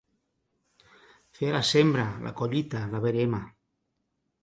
Fer la sembra, la collita, la verema.